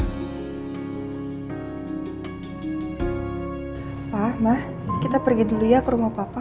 ma ma kita pergi dulu ya ke rumah papa